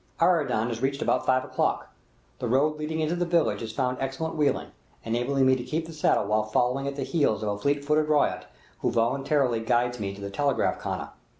Aradan is reached about five o'clock; the road leading into the village is found excellent wheeling, enabling me to keep the saddle while following at the heels of a fleet footed ryot, who voluntarily guides me to the telegraph khana.